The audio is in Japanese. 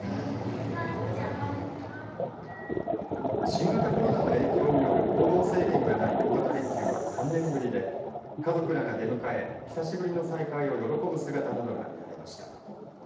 新型コロナの影響による行動制限がない大型連休は３年ぶりで家族らが出迎え久しぶりの再会を喜ぶ姿などが見られました。